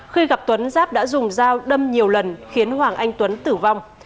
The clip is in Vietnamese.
khi gặp tuấn giáp đã dùng dao đâm nhiều lần khiến hoàng anh tuấn tử vong